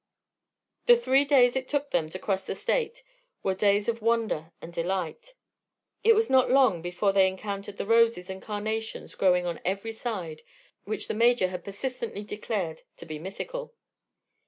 The three days it took them to cross the State were days of wonder and delight. It was not long before they encountered the roses and carnations growing on every side, which the Major had persistently declared to be mythical.